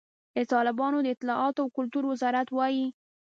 د طالبانو د اطلاعاتو او کلتور وزارت وایي،